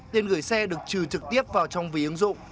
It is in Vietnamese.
tiền gửi xe được trừ trực tiếp vào trong ví ứng dụng